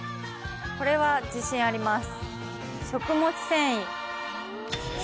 これは自信あります。